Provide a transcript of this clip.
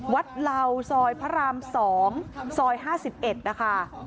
เหล่าซอยพระราม๒ซอย๕๑นะคะ